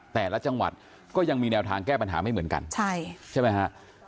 แต่ละจังหวัดก็ยังมีแนวทางแก้ปัญหาไม่เหมือนกันใช่ใช่ไหมฮะ